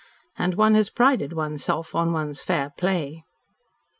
And one has prided one's self on one's fair play."